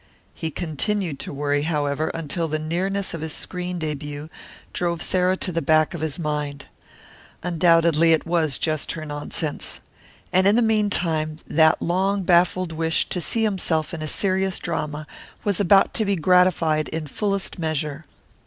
He continued to worry, however, until the nearness of his screen debut drove Sarah to the back of his mind. Undoubtedly it was just her nonsense. And in the meantime, that long baffled wish to see himself in a serious drama was about to be gratified in fullest measure.